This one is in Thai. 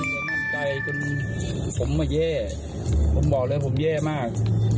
ไม่มั่นใจผมเย่ผมบอกเลยผมเย่มาก